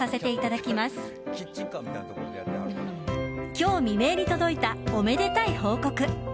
今日未明に届いたおめでたい報告。